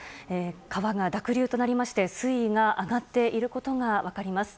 川が濁流となりまして水位が上がっていることが分かります。